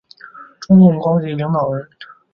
中共高级领导人。